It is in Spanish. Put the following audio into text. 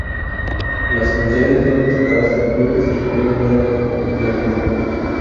Las canciones fueron tocadas en clubes y tuvieron una gran popularidad.